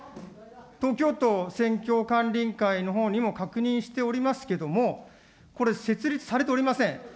東京都選挙管理委員会のほうにも確認しておりますけれども、これ、設立されておりません。